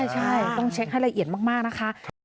ใช่ต้องเช็คให้ละเอียดมากนะคะ